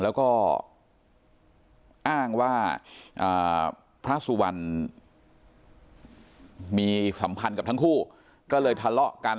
แล้วก็อ้างว่าพระสุวรรณมีสัมพันธ์กับทั้งคู่ก็เลยทะเลาะกัน